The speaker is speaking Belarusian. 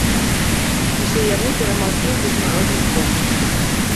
Усе яны перамаглі ў міжнародным конкурсе.